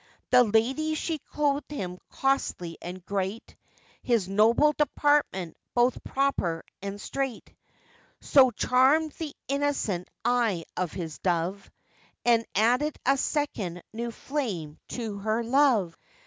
The lady she clothèd him costly and great; His noble deportment, both proper and straight, So charmèd the innocent eye of his dove, And added a second new flame to her love.